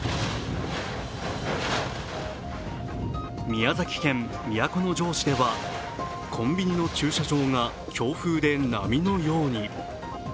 宮崎県都城市ではコンビニの駐車場が強風で波のように。